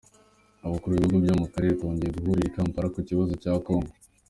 Abakuru b’ibihugu byo mu Karere bongeye guhurira i Kampala ku kibazo cya kongo